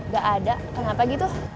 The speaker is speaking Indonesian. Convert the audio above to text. gak ada kenapa gitu